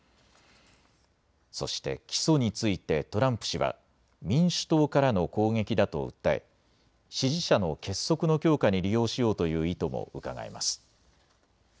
そして起訴についてトランプ氏は、民主党からの攻撃だと訴え、支持者の結束の強化に利用しようという意図もうかがえます。